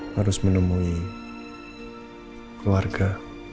harus menemui keluarga